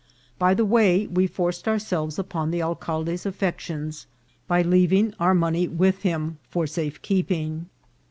By the way, we forced ourselves upon the alcalde's affections by leaving our money with him for safe keeping.